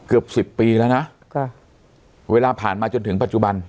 เกือบสิบปีแล้วนะค่ะเวลาผ่านมาจนถึงปัจจุบัน